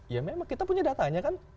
ya memang kita punya datanya kan